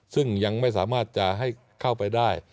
ซึ่งยังไม่สามารถจะให้เข้าไปได้